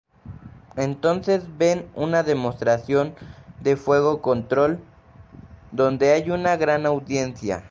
Entonces ven una demostración de Fuego Control, donde hay una gran audiencia.